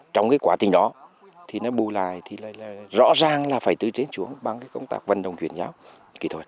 trong cái quá trình đó thì nó bù lại thì rõ ràng là phải tư chế xuống bằng công tác vận động chuyển giáo kỹ thuật